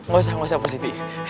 nggak usah nggak usah positi